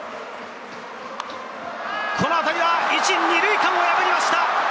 この当たりは１・２塁間を破りました！